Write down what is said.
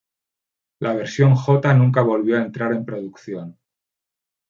La versión J nunca volvió a entrar en producción.